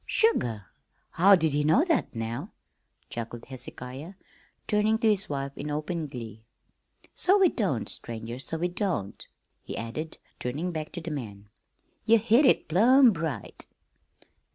"Sugar! How'd he know that, now?" chuckled Hezekiah, turning to his wife in open glee. "So we don't, stranger, so we don't," he added, turning back to the man. "Ye hit it plumb right."